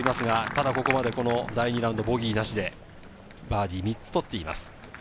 ただここまで、第２ラウンドボギーなしで、バーディー３つ取っています。